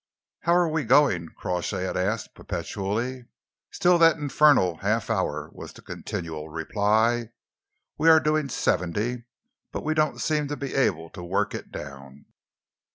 "How are we going?" Crawshay had asked perpetually. "Still that infernal half hour," was the continual reply. "We are doing seventy, but we don't seem to be able to work it down."